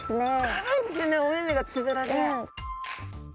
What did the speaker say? かわいいですよねお目々がつぶらで。